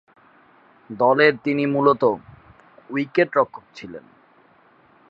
দলে তিনি মূলতঃ উইকেট-রক্ষক ছিলেন।